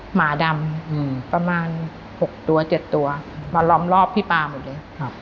หมาดำอืมประมาณหกตัวเจ็ดตัวมาล้อมรอบพี่ป๊าหมดเลยครับ